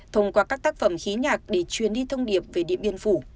thông qua các tác phẩm khí nhạc để truyền đi thông điệp về điện biên phủ